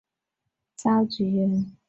香港回归后任行政会议召集人。